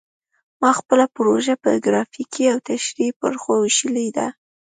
ما خپله پروژه په ګرافیکي او تشریحي برخو ویشلې ده